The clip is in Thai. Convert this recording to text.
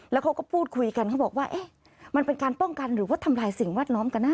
แล้วเขาก็พูดคุยกันเขาบอกว่าเอ๊ะมันเป็นการป้องกันหรือว่าทำลายสิ่งแวดล้อมกันนะ